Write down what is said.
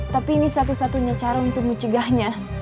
tapi ini satu satunya cara untuk mencegahnya